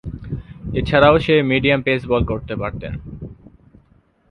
এছাড়াও সে medium pace bowl করতে পারতেন।